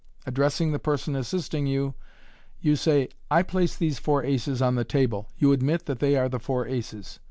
Addressing the person assisting you, you say, " I place these four aces on the table You admit that they are the four aces."